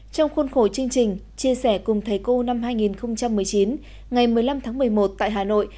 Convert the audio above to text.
trong khuôn khổ chương trình chia sẻ cùng thầy cô năm hai nghìn một mươi chín ngày một mươi năm tháng một mươi một tại hà nội